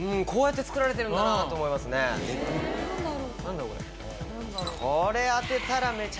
こうやって作られてるんだなと思いますね。